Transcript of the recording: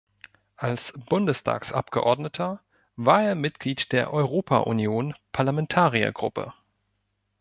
Als Bundestagsabgeordneter war er Mitglied der Europa-Union Parlamentariergruppe.